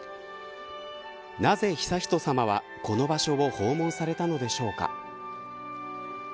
なぜ、悠仁さまはこの場所を訪問されたのでしょうか。